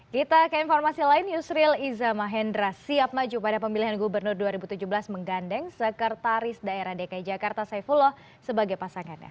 kita ke informasi lain yusril iza mahendra siap maju pada pemilihan gubernur dua ribu tujuh belas menggandeng sekretaris daerah dki jakarta saifullah sebagai pasangannya